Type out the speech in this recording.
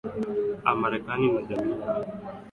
aa marekani na jamii ya kimataifa